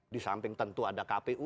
di samping tentu ada kpu